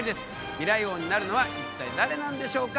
未来王になるのは一体誰なんでしょうか？